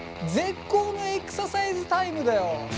絶好のエクササイズタイムだよ！